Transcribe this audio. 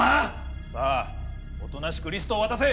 さあおとなしくリストを渡せ！